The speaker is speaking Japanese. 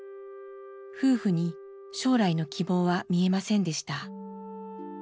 夫婦に将来の希望は見えませんでした。